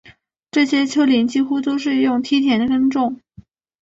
这些丘陵几乎都是用梯田耕种